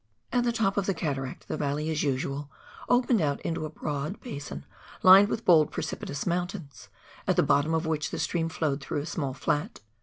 At the top of the cataract the valley, as usual, opened out into a broad basin lined with bold precipitous mountains, at the bottom of which the stream flowed through a small flat.